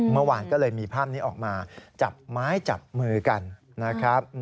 เมื่อวานก็เลยมีภาพนี้ออกมาจับไม้จับมือกันนะครับ